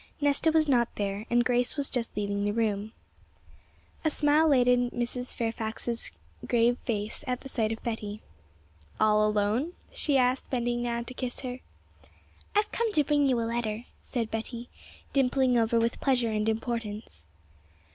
Nesta was not there, and Grace was just leaving the room. A smile lightened Mrs. Fairfax's grave face at the sight of Betty. 'All alone?' she asked, bending down to kiss her. 'I've come to bring you a letter,' said Betty, dimpling over with pleasure and importance.